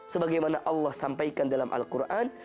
sebagaimana allah sampaikan dalam al quran